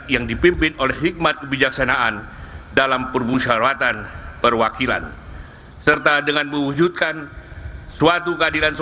yang saya hormati kepala bpp dan seluruh jajaran yang hadir